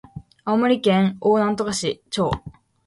青森県大鰐町